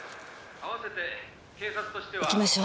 「あわせて警察としては」行きましょう。